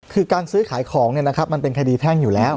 คือการซื้อขายของเนี่ยนะครับมันเป็นคดีแพ่งอยู่แล้ว